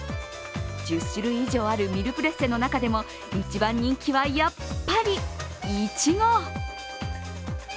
１０種類以上あるミルプレッセの中でも一番人気はやっぱりいちご。